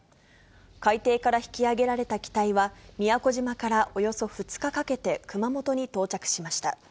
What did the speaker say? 海底から引き揚げられた機体は、宮古島からおよそ２日かけて、熊本に到着しました。